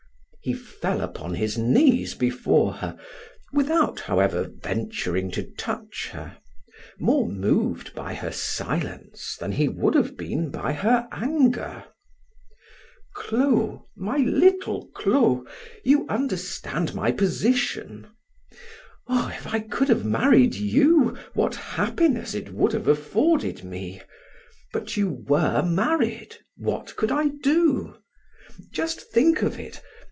He fell upon his knees before her, without, however, venturing to touch her, more moved by her silence than he would have been by her anger. "Clo, my little Clo, you understand my position. Oh, if I could have married you, what happiness it would have afforded me! But you were married! What could I do? Just think of it!